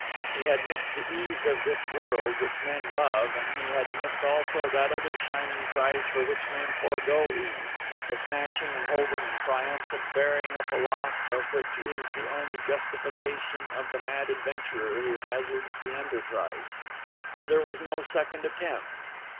He had missed the ease of this world, which men love, and he had missed also that other shining prize for which men forgo ease, the snatching and holding and triumphant bearing up aloft of which is the only justification of the mad adventurer who hazards the enterprise. And there was no second attempt.